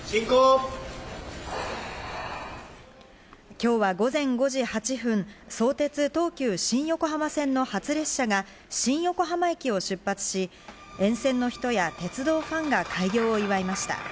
今日は午前５時８分、相鉄・東急新横浜線の初列車が新横浜駅を出発し、沿線の人や鉄道ファンが開業を祝いました。